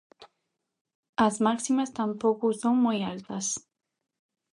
As máximas tampouco son moi altas.